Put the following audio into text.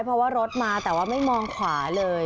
เพราะว่ารถมาแต่ว่าไม่มองขวาเลย